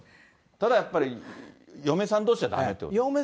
ただやっぱり、嫁さんどうしはだめっていうことですね。